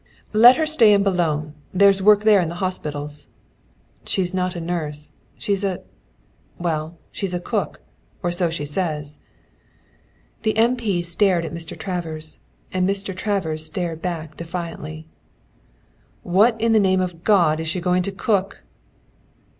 "Let her stay in Boulogne. There's work there in the hospitals." "She's not a nurse. She's a well, she's a cook. Or so she says." The M. P. stared at Mr. Travers, and Mr. Travers stared back defiantly. "What in the name of God is she going to cook?"